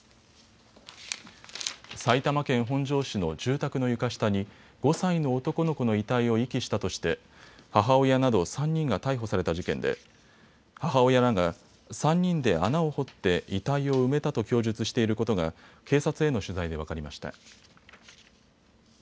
埼玉県本庄市の住宅の床下に５歳の男の子の遺体を遺棄したとして母親など３人が逮捕された事件で母親らが３人で穴を掘って遺体を埋めたと供述していることが警察への取材で分かりました。